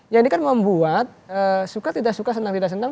yang ini kan membuat suka tidak suka senang tidak senang